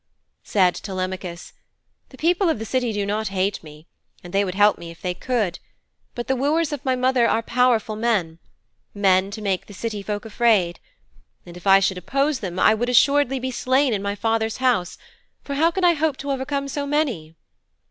Said Telemachus, 'The people of the City do not hate me, and they would help me if they could. But the wooers of my mother are powerful men men to make the City folk afraid. And if I should oppose them I would assuredly be slain in my father's house, for how could I hope to overcome so many?'